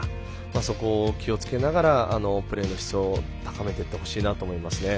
そこを気をつけながらプレーの質を高めていってほしいなと思います。